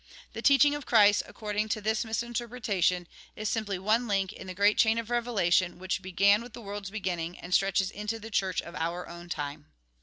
The teaching of Christ, accord ing to this misinterpretation, is simply one link in the great chain of revelation which began with the world's beginning and stretches into the Church of our own time.